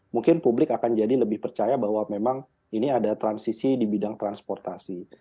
mungkin publik akan jadi lebih percaya bahwa memang ini ada transisi di bidang transportasi